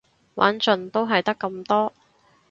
玩盡都係得咁多